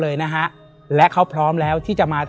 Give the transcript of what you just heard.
และยินดีต้อนรับทุกท่านเข้าสู่เดือนพฤษภาคมครับ